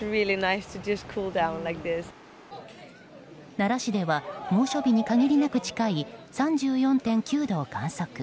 奈良市では猛暑日に限りなく近い３４．９度を観測。